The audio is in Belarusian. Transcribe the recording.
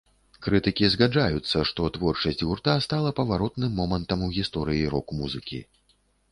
Крытыкі згаджаюцца, што творчасць гурта стала паваротным момантам у гісторыі рок-музыкі.